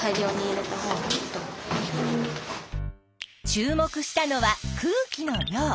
注目したのは空気の量。